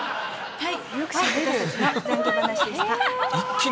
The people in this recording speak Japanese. はい。